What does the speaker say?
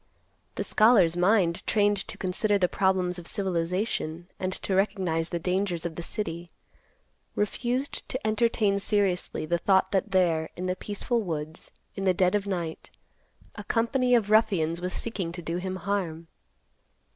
The scholar's mind, trained to consider the problems of civilization, and to recognize the dangers of the city, refused to entertain seriously the thought that there, in the peaceful woods, in the dead of night, a company of ruffians was seeking to do him harm.